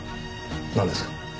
なんですか？